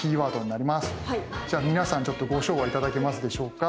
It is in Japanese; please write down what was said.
じゃあ皆さんちょっとご唱和頂けますでしょうか。